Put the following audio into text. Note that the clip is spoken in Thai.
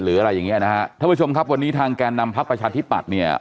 อะไรอย่างเงี้นะฮะท่านผู้ชมครับวันนี้ทางแกนนำพักประชาธิปัตย์เนี่ย